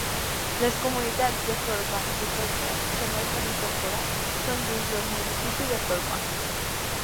Les comunitats de Fairbanks i Petrel que no es van incorporar, són dins del municipi de Fairbanks.